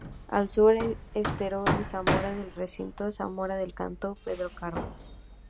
Al sur: Estero de Zamora del Recinto Zamora del Cantón Pedro Carbo.